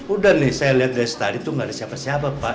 udah nih saya lihat dari tadi tuh gak ada siapa siapa pak